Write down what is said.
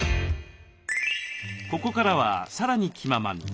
ここからはさらに気ままに。